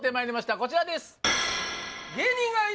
こちらです